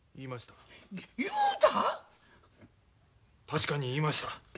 確かに言いました。